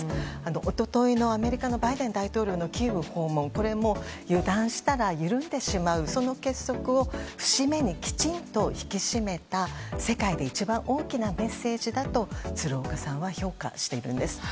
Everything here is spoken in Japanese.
一昨日のアメリカのバイデン大統領のキーウ訪問も油断したら緩んでしまうその結束を節目にきちんと引き締めた世界で一番大きなメッセージだと鶴岡さんは評価しているんです。